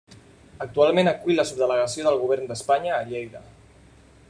Actualment acull la subdelegació del Govern d'Espanya a Lleida.